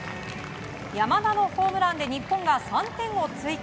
山田のホームランで日本が３点を追加。